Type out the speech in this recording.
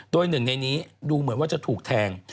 โดยหนึ่งในนี้ดูเหมือนว่าจะถูกแทง